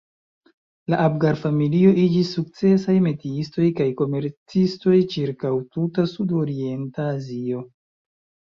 La Abgar-familio iĝis sukcesaj metiistoj kaj komercistoj ĉirkaŭ tuta sudorienta Azio.